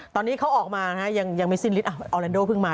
ตอนนี้เขาออกมานะฮะยังไม่สิ้นฤทธิออแลนโดเพิ่งมา